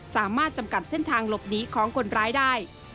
สามารถจำกัดเส้นทางหลบหนีของคนร้ายได้